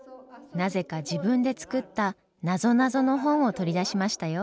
なぜか自分で作ったなぞなぞの本を取り出しましたよ。